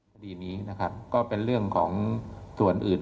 คดีนี้นะครับก็เป็นเรื่องของส่วนอื่น